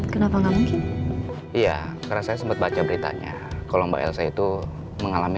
kenapa nggak mungkin iya karena saya sempat baca beritanya kalau mbak elsa itu mengalami